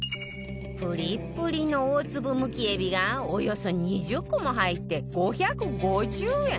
プリップリの大粒むきえびがおよそ２０個も入って５５０円！